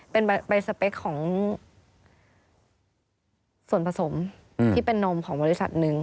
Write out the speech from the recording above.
เป็นใบสเปคของส่วนผสมที่เป็นนมของบริษัทหนึ่ง